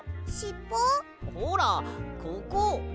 ほらここ！